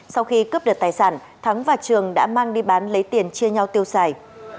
sau khi cướp được tài sản thắng và trường đã mang đi bán lấy tiền chia nhau tiêu xài